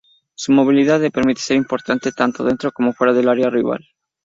Su movilidad le permite ser importante tanto dentro como fuera del área rival.